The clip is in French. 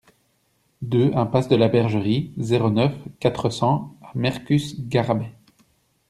deux impasse de la Bergerie, zéro neuf, quatre cents à Mercus-Garrabet